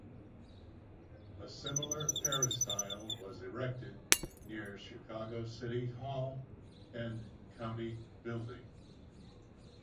A similar peristyle was erected near Chicago City Hall and the County Building.